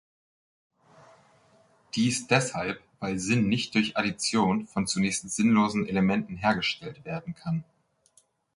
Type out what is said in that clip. Dies deshalb, weil Sinn nicht durch Addition von zunächst sinnlosen Elementen hergestellt werden kann.